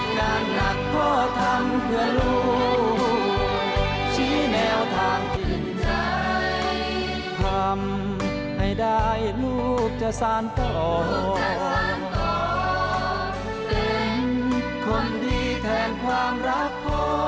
สุขจะช่างต่อเป็นคนดีแทนความรักพ่อ